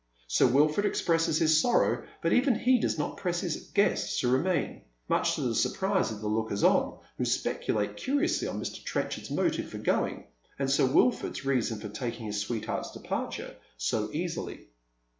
Sir Wilford expresses his sorrow, but even he does not press his guests to remain, much to the surprise of the lookers on, who speculate curiously on Mr. Trenchard's motive for going, and Sir Wil ford's reason for taking his sweetheart's departure so easily.